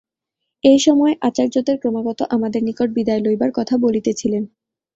এই সময়ে আচার্যদেব ক্রমাগত আমাদের নিকট বিদায় লইবার কথা বলিতেছিলেন।